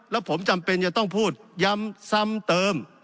แล้วผมจำเป็นจะต้องพูดย้ำซ้ำเติม